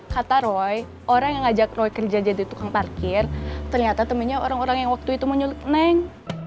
kata roy orang yang ngajak roy kerja jadi tukang parkir ternyata temennya orang orang yang waktu itu menyulut neng